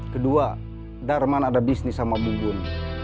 kedua darman ada bisnis sama bubun